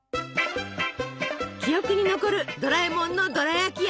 記憶に残るドラえもんのドラやき愛！